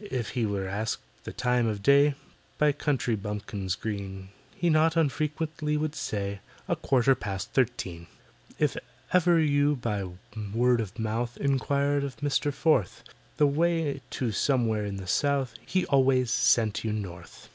If he were asked the time of day, By country bumpkins green, He not unfrequently would say, "A quarter past thirteen." If ever you by word of mouth Inquired of MISTER FORTH The way to somewhere in the South, He always sent you North.